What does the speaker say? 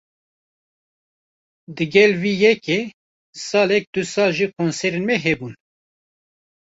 Digel vê yekê, salek du sal jî konserên me hebûn